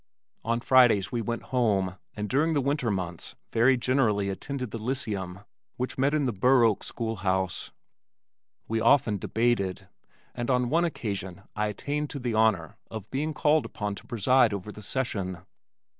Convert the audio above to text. On Fridays we went home and during the winter months very generally attended the Lyceum which met in the Burr Oak school house. We often debated, and on one occasion I attained to the honor of being called upon to preside over the session.